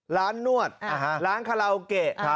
นวดร้านคาราโอเกะ